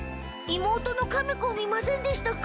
妹のカメ子を見ませんでしたか？